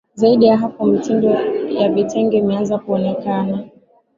Zaidi ya hapo mitindo ya vitenge imeanza kuonekana